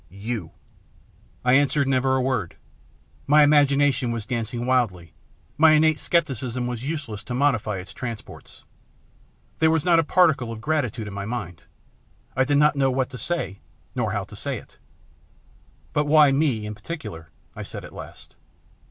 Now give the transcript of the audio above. You" I answered never a word. My imagination was dancing wildly, my innate scepticism was useless to modify its transports. There was not a particle of gratitude in my mind I did not know what to say nor how to say it. " But why me in particular ?" I said at last.